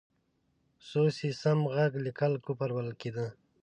سو، سي، سم، ږغ لیکل کفر بلل کېده.